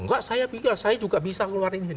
enggak saya bisa saya juga bisa ngeluarkan izin